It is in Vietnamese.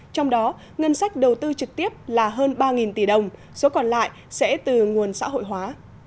trong đó ngân sách đầu tư trực tiếp là hơn ba tỷ đồng số còn lại sẽ từ nguồn xã hội hóa